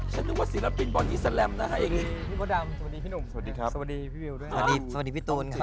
สวัสดีครับ